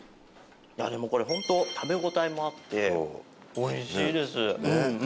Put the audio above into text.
いやでもこれホント食べ応えもあっておいしいです。